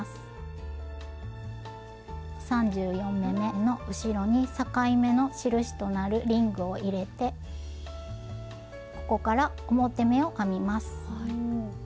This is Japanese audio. ３４目めの後ろに境目の印となるリングを入れてここから表目を編みます。